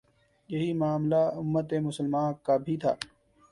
یہی معاملہ امت مسلمہ کا بھی تھا۔